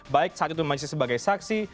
baik saat itu masih sebagai saksi